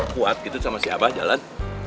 kuat gitu sama si abah jalan